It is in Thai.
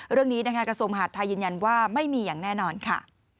เรื่องนี้นะคะกระทรวงมหาดไทยยืนยันว่าไม่มีอย่างแน่นอนค่ะ